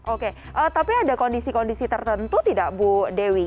oke tapi ada kondisi kondisi tertentu tidak bu dewi